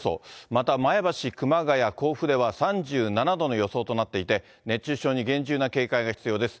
また前橋、熊谷、甲府では３７度の予想となっていて、熱中症に厳重な警戒が必要です。